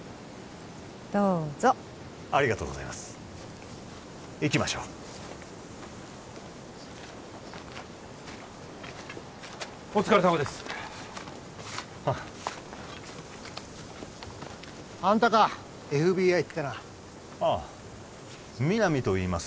どうぞありがとうございます行きましょうお疲れさまですあんたかＦＢＩってのはあ皆実といいます